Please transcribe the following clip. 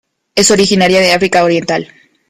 Es originaria de África oriental.